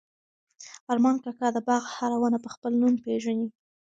ارمان کاکا د باغ هره ونه په خپل نوم پېژني.